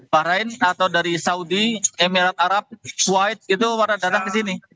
bahrain atau dari saudi emirat arab white itu pada datang ke sini